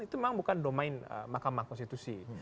itu memang bukan domain mahkamah konstitusi